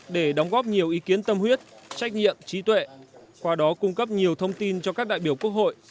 để đóng góp nhiều ý kiến tâm huyết trách nhiệm trí tuệ qua đó cung cấp nhiều thông tin cho các đại biểu quốc hội